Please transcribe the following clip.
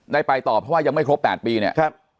ได้ไปต่อเพราะว่ายังไม่ครบ๘ปีเนี่ย